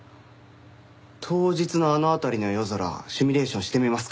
当日のあの辺りの夜空シミュレーションしてみますか？